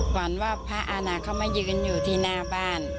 ฝันว่าพระอาณาเข้ามายืนอยู่ที่หน้าบ้าน